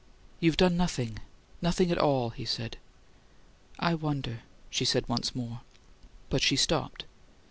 "You've done nothing nothing at all," he said. "I wonder " she said once more, but she stopped.